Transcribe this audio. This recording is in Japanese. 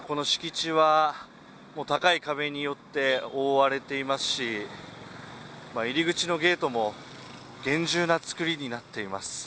この敷地はもう高い壁によって覆われていますし入り口のゲートも厳重な作りになっています